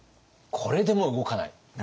これでも動かない。